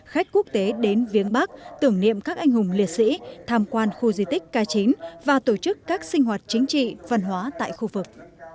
khách quốc tế đến viếng bắc tưởng niệm các anh hùng liệt sĩ tham quan khu di tích k chín và tổ chức các sinh hoạt chính trị văn hóa tại khu vực